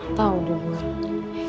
gak tau dia bener